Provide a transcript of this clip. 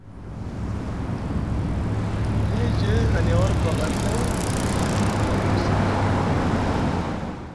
Ahiyeje a niya war baŋa ɗaw, ahani sek.